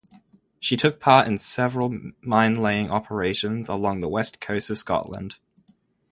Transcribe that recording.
She took part in several minelaying operations along the west coast of Scotland.